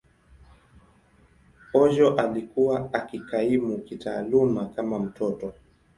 Ojo alikuwa akikaimu kitaaluma kama mtoto.